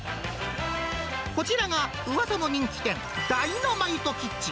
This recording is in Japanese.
こちらがうわさの人気店、ダイナマイトキッチン。